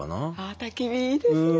たき火いいですね。